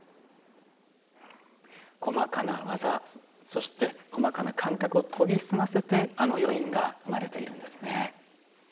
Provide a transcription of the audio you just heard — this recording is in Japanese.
細かな技そして細かな感覚を研ぎ澄ませてあの余韻が生まれているんですね。